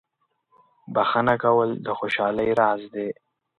• بخښنه کول د خوشحالۍ راز دی.